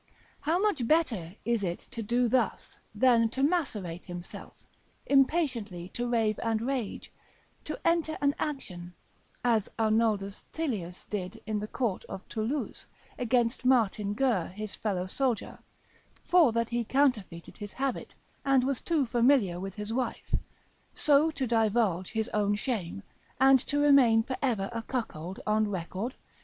How much better is it to do thus, than to macerate himself, impatiently to rave and rage, to enter an action (as Arnoldus Tilius did in the court of Toulouse, against Martin Guerre his fellow soldier, for that he counterfeited his habit, and was too familiar with his wife), so to divulge his own shame, and to remain for ever a cuckold on record?